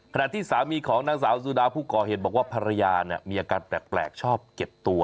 ที่สามีของนางสาวสุดาผู้ก่อเหตุบอกว่าภรรยาเนี่ยมีอาการแปลกชอบเก็บตัว